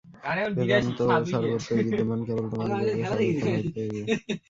বেদান্ত সর্বত্রই বিদ্যমান, কেবল তোমাদিগকে সচেতন হইতে হইবে।